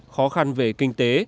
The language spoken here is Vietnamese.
khó khăn về kinh tế